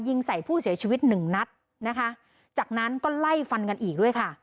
ยิงใส่ผู้เสียชีวิตหนึ่งนัดนะคะจากนั้นก็ไล่ฟันกันอีกด้วยค่ะ